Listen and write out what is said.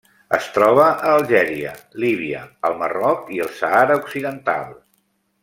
Es troba a Algèria, Líbia, el Marroc i el Sàhara Occidental.